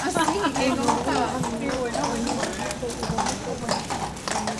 ئۇ نۇرغۇنلىغان يېڭى دوستلارنى، يېڭى شەيئىلەرنى كۆردى.